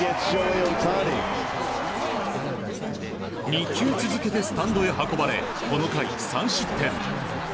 ２球続けてスタンドへ運ばれこの回３失点。